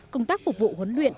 công tác phục vụ huấn luyện